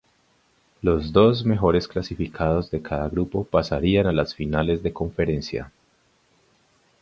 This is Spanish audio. Los dos mejores clasificados de cada grupo pasarían a las Finales de Conferencia.